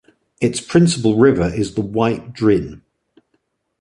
Its principal river is the White Drin.